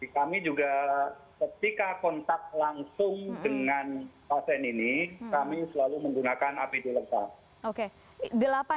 kami juga ketika kontak langsung dengan pasien ini kami selalu menggunakan apd lengkap